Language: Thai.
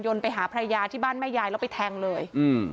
ไปหาภรรยาที่บ้านแม่ยายแล้วไปแทงเลยอืม